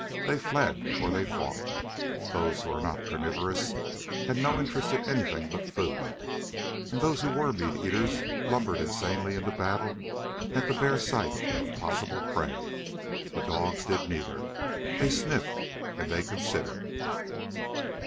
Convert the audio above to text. They fled or they fought. Those who were not carnivorous had no interest in anything but food, and those who were meat eaters lumbered insanely into battle at the bare sight of possible prey. The dogs did neither. They sniffed and they considered.